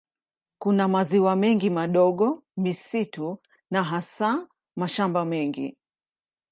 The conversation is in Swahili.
Kuna maziwa mengi madogo, misitu na hasa mashamba mengi.